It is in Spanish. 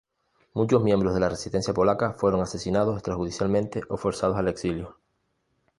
Muchos miembros de la Resistencia polaca fueron asesinados extrajudicialmente o forzados al exilio.